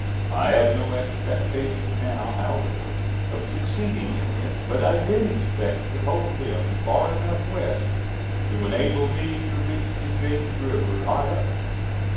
I had no expectation now, however, of succeeding in this; but I did expect to hold him far enough west to enable me to reach the James River high up.